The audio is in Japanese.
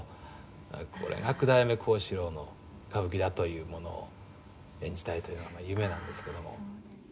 「これが九代目幸四郎の歌舞伎だというものを演じたいというのが夢なんですけども」